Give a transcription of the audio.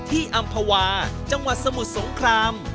ที่อัมพวาจังหวัดสมุทรสงคราม